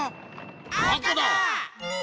あかだ！